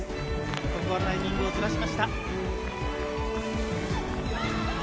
ここはタイミングをずらしました。